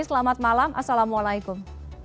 selamat malam assalamualaikum